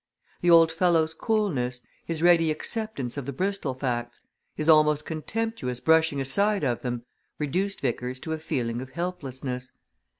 The old fellow's coolness, his ready acceptance of the Bristol facts, his almost contemptuous brushing aside of them, reduced Vickers to a feeling of helplessness.